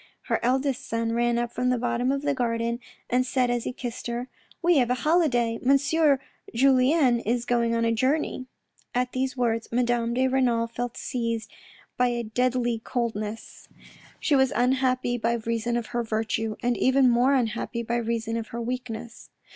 Her eldest son ran up from the bottom of the garden, and said as he kissed her, " We have a holiday, M. Julien is going on a journey." At these words, Madame de Renal felt seized by a deadly 74 THE RED AND THE BLACK coldness. She was unhappy by reason of her virtue, and even more unhappy by reason of her weakness.